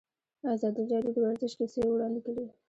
ازادي راډیو د ورزش کیسې وړاندې کړي.